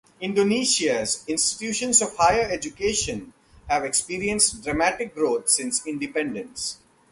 Indonesia's institutions of higher education have experienced dramatic growth since independence.